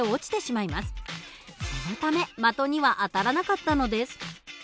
そのため的には当たらなかったのです。